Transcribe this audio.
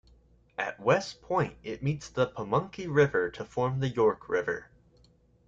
At West Point, it meets the Pamunkey River to form the York River.